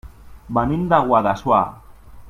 Venim de Guadassuar.